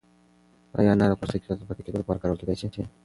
ایا انار د پوستکي د تازه پاتې کېدو لپاره کارول کیدای شي؟